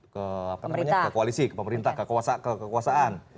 ke apa namanya ke koalisi ke pemerintah ke kekuasaan